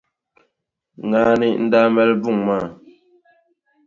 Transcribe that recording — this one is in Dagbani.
Ŋaani n-daa mali buŋa maa.